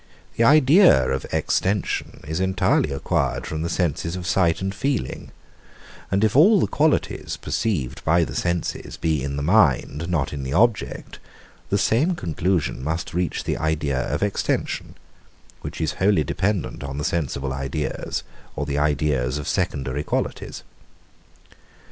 The idea of extension is entirely acquired from the senses of sight and feeling; and if all the qualities, perceived by the senses, be in the mind, not in the object, the same conclusion must reach the idea of extension, which is wholly dependent on the sensible ideas or the ideas of secondary qualities.